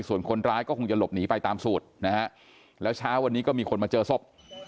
ส่วนคนร้ายก็คงจะหลบหนีไปตามสูตรนะฮะแล้วเช้าวันนี้ก็มีคนมาเจอศพ